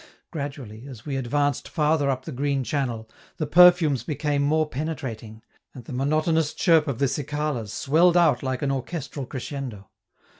Gradually, as we advanced farther up the green channel, the perfumes became more penetrating, and the monotonous chirp of the cicalas swelled out like an orchestral crescendo.